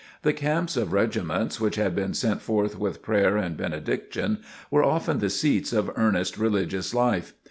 The camps of regiments which had been sent forth with prayer and benediction, were often the seats of earnest religious life.